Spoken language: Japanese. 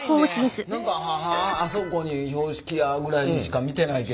「あそこに標識や」ぐらいにしか見てないけど。